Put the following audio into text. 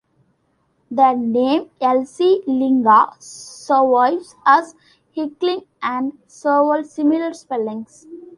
The name "Iclinga" survives as "Hickling" and several similar spellings.